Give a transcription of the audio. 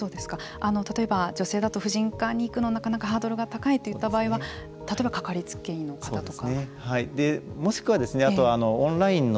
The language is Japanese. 例えば、女性だと婦人科に行くのはなかなかハードルが高いといった場合は例えば、掛かりつけ医の方とか。